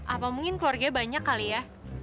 apa mungkin keluarganya banyak kali ya